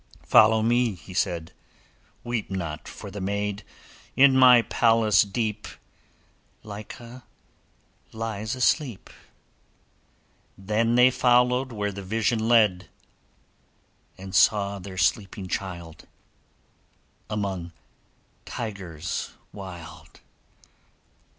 'Follow me,' he said; 'Weep not for the maid; In my palace deep, Lyca lies asleep.' Then they followèd Where the vision led, And saw their sleeping child Among tigers wild.